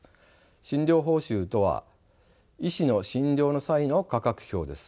診療報酬とは医師の診療の際の価格表です。